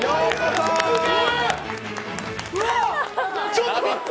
ちょっと待って！